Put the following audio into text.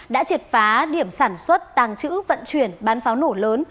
đã triệt phá điểm sản xuất tàng trữ vận chuyển bán pháo nổ lớn